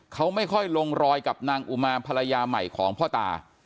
เขาไม่ค่อยลงรอยกับนางอุมารภรรยาใหม่ของพ่อตา